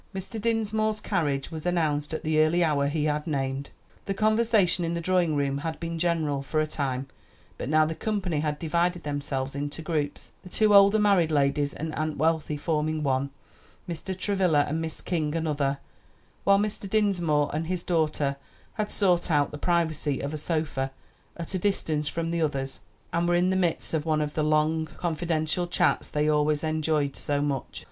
Mr. Dinsmore's carriage was announced at the early hour he had named. The conversation in the drawing room had been general for a time, but now the company had divided themselves into groups; the two older married ladies and Aunt Wealthy forming one, Mr. Travilla and Miss King another, while Mr. Dinsmore and his daughter had sought out the privacy of a sofa, at a distance from the others, and were in the midst of one of the long, confidential chats they always enjoyed so much.